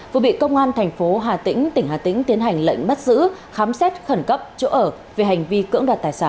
vừa bị công an thành phố hà tĩnh tỉnh hà tĩnh tiến hành lệnh bắt giữ khám xét khẩn cấp chỗ ở về hành vi cưỡng đoạt tài sản